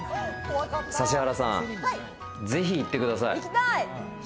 指原さん、ぜひ行ってください。